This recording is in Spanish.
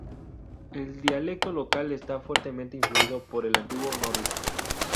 El dialecto local está fuertemente influido por el antiguo nórdico.